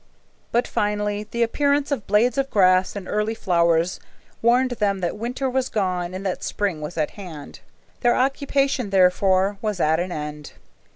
But finally the appearance of blades of grass and early flowers warned them that winter was gone and that spring was at hand. Their occupation, therefore, was at an end.